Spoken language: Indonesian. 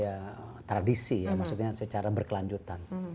ya tradisi ya maksudnya secara berkelanjutan